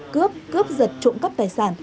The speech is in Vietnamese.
cướp cướp giật trộm cắp tài sản